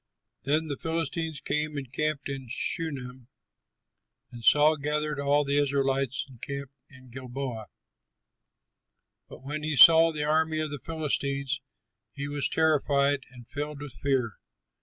Then the Philistines came and camped in Shunem, and Saul gathered all the Israelites and camped in Gilboa. But when he saw the army of the Philistines, he was terrified and filled with fear.